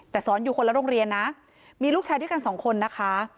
แต่สอนอยู่คนละโรงเรียนนะมีลูกชายด้วยกันสองคนนะคะ